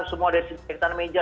semua desinfektan meja